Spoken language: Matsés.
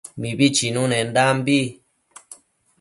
Mibi chinunendambi